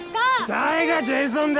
誰がジェイソンだ！